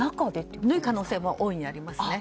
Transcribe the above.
その可能性も大いにありますね。